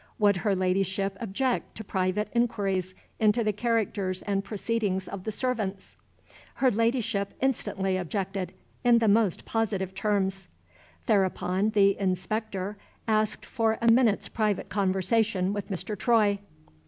Would her Ladyship object to private inquiries into the characters and proceedings of the servants? Her Ladyship instantly objected, in the most positive terms. Thereupon the "Inspector" asked for a minute's private conversation with Mr. Troy.